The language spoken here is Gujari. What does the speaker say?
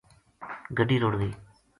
گَٹی رُڑ